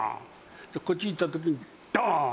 こっち行った時にドーン！